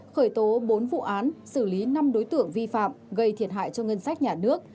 khởi tố bốn vụ án xử lý năm đối tượng vi phạm gây thiệt hại cho ngân sách nhà nước